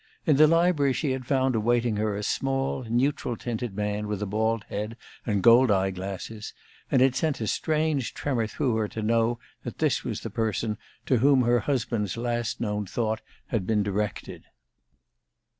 In the library she had found awaiting her a small neutral tinted man with a bald head and gold eye glasses, and it sent a strange tremor through her to know that this was the person to whom her husband's last known thought had been directed.